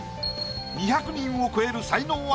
２００人を超える才能